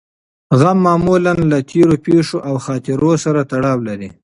غم معمولاً له تېرو پېښو او خاطرو سره تړاو لري.